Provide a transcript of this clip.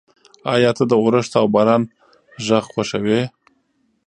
ایا ته د اورښت او باران غږ خوښوې؟